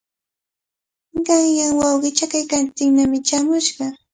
Qanyan wawqii chakaykaptinnami chaamushqa.